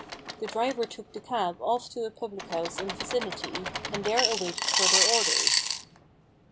The driver took the cab off to a public house in the vicinity, and there awaited further orders.